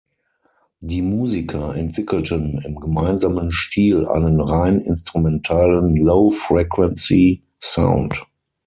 Die Musiker entwickelten im gemeinsamen Stil einen rein instrumentalen Low-Frequency-Sound.